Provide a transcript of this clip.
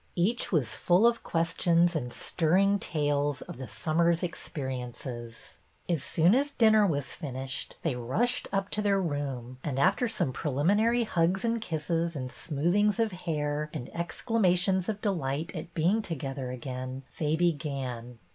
Each was full of questions and stirring tales of the summer's experiences. As soon as dinner was finished, they rushed up to their room and, after some preliminary hugs and kisses and smoothings of hair and e.xclamations of delight at being together again, they began.